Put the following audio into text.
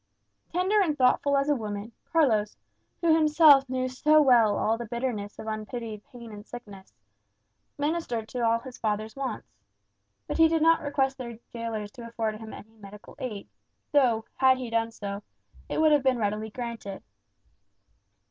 Tender and thoughtful as a woman, Carlos, who himself knew so well all the bitterness of unpitied pain and sickness, ministered to his father's wants. But he did not request their gaolers to afford him any medical aid, though, had he done so, it would have been readily granted.